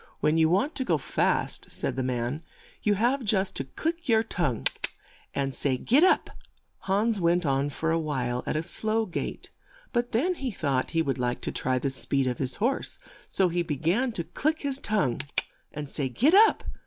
"When you want to go fast," said the man, "you have just to click your tongue, and say ' Get up !'" Hans went on for a while at a slow gait, but then he thought he would like to try the speed of his horse, so he be gan to click his tongue and say '' Get up